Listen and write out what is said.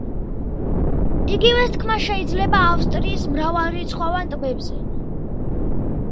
იგივეს თქმა შეიძლება ავსტრიის მრავალრიცხოვან ტბებზე.